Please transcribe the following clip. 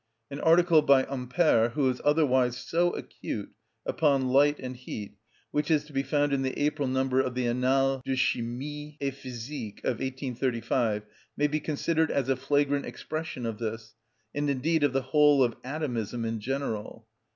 An article by Ampère, who is otherwise so acute, upon light and heat, which is to be found in the April number of the "Annales de chimie et physique," of 1835, may be considered as a flagrant expression of this, and indeed of the whole of atomism in general.